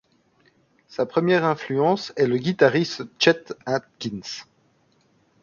Sa première influence est le guitariste Chet Atkins.